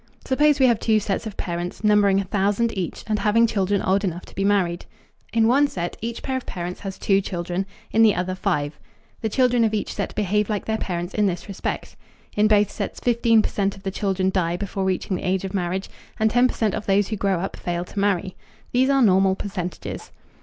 Suppose we have two sets of parents, numbering a thousand each and having children old enough to be married. In one set each pair of parents has two children; in the other five. The children of each set behave like their parents in this respect. In both sets 15 percent of the children die before reaching the age of marriage, and 10 percent of those who grow up fail to marry. These are normal percentages.